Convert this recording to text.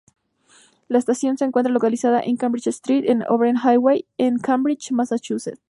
La estación se encuentra localizada en Cambridge Street y O'Brien Highway en Cambridge, Massachusetts.